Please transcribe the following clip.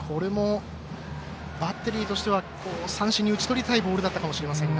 バッテリーとしては三振に打ち取りたいボールだったかもしれませんが。